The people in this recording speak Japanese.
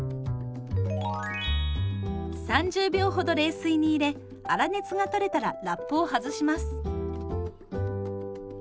３０秒ほど冷水に入れ粗熱がとれたらラップを外します。